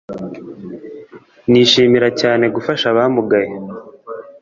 nishimiye cyane gufasha abamugaye